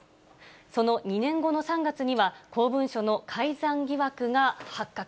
その２年後の３月には、公文書の改ざん疑惑が発覚。